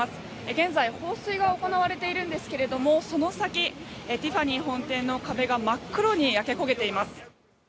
現在、放水が行われているんですけれどもその先、ティファニー本店の壁が真っ黒に焼け焦げています。